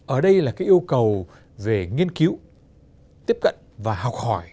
ở đây là cái yêu cầu về nghiên cứu tiếp cận và học hỏi